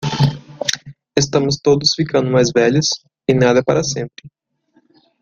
Estamos todos ficando mais velhos? e nada é para sempre.